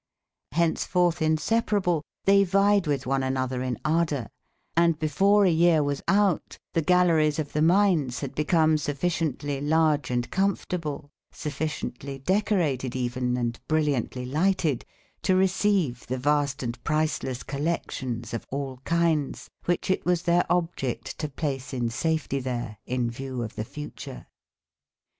Henceforth inseparable, they vied with one another in ardour; and before a year was out the galleries of the mines had become sufficiently large and comfortable, sufficiently decorated even and brilliantly lighted, to receive the vast and priceless collections of all kinds, which it was their object to place in safety there, in view of the future.